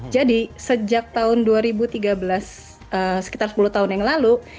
jadi sejak tahun dua ribu tiga belas sekitar sepuluh tahun yang lalu